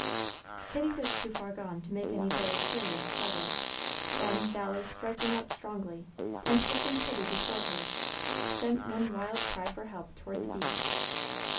Kitty was too far gone to make any very serious struggle. Then Dolly, striking out strongly, and pushing Kitty before her, sent one wild cry for help toward the beach.